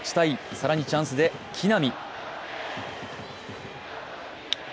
更にチャンスで木浪。